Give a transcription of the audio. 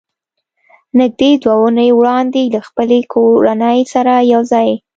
نږدې دوه اوونۍ وړاندې له خپلې کورنۍ سره یو ځای